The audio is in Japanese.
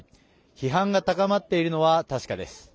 批判が高まっているのは確かです。